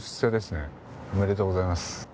おめでとうございます。